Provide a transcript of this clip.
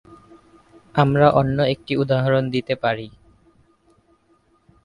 আমরা অন্য একটি উদাহরণ দিতে পারি।